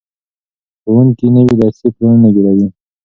ښوونکي نوي درسي پلانونه جوړوي.